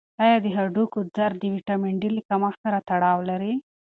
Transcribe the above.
آیا د هډوکو درد د ویټامین ډي له کمښت سره تړاو لري؟